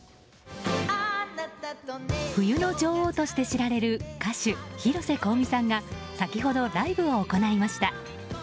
冬の女王として知られる歌手・広瀬香美さんが先ほどライブを行いました。